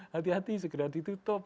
hati hati segera di tutup